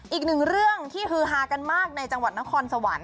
อีกหนึ่งเรื่องที่ฮือฮากันมากในจังหวัดนครสวรรค์